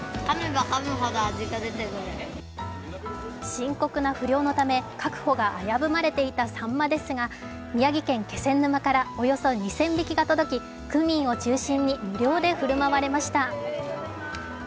深刻な不漁のため、確保が危ぶまれていたさんまですが、宮城県気仙沼からおよそ２０００匹が届き、区民を中心に無料で振る舞われました。